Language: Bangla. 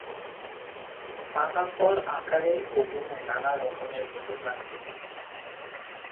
পাকা ফল আকারে ও গুণে নানা রকমের হতে পারে।